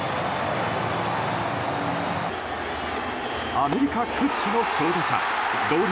アメリカ屈指の強打者同僚